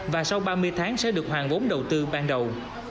và sau ba mươi tháng sẽ được hoàn vốn đầu tư ban đầu